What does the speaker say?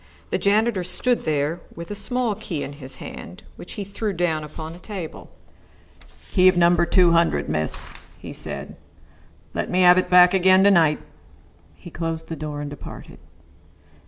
The janitor stood there with a small key in his hand, which he threw down upon a table. "Key of number two hundred, miss," he said. "Let me have it back again to night." He closed the door and departed.